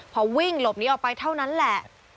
พอวิ่งหลบนี้ออกไปเท่านั้นแหละ